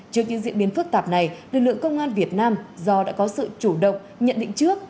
trước những diễn biến phức tạp này lực lượng công an việt nam do đã có sự chủ động nhận định trước